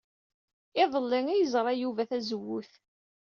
Iḍelli ay yerẓa Yuba tazewwut.